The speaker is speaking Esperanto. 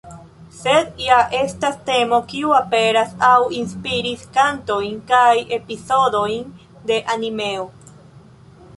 Sed ja estas temo kiu aperas aŭ inspiris kantojn kaj epizodojn de animeo.